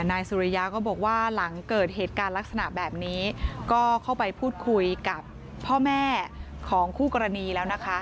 นายสุริยาก็บอกว่าหลังเกิดเหตุการณ์ลักษณะแบบนี้ก็เข้าไปพูดคุยกับพ่อแม่ของคู่กรณีแล้วนะคะ